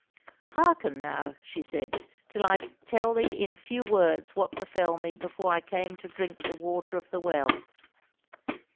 "Hearken now," she said, "till I tell thee in few words what befell me before I came to drink the Water of the Well.